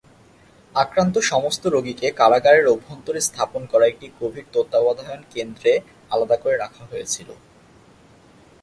আক্রান্ত সমস্ত রোগীকে, কারাগারের অভ্যন্তরে স্থাপন করা একটি কোভিড তত্ত্বাবধান কেন্দ্রে, আলাদা করে রাখা হয়েছিল।